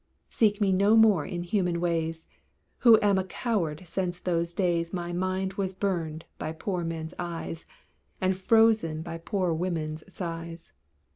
Seek me no more in human ways Who am a coward since those days My mind was burned by poor men's eyes, And frozen by poor women's sighs.